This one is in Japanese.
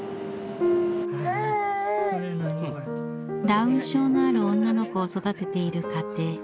ダウン症のある女の子を育てている家庭。